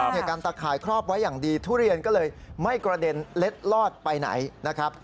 การตะข่ายครอบไว้อย่างดีทุเรียนก็เลยไม่กระเด็นเล็ดลอดไปไหนนะครับ